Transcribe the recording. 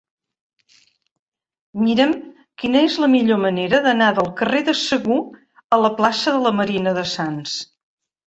Mira'm quina és la millor manera d'anar del carrer de Segur a la plaça de la Marina de Sants.